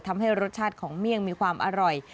ทำให้รสชาติของเมี่ยงมีความอร่อย